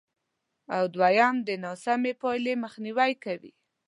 او دوېم د ناسمې پایلې مخنیوی کوي،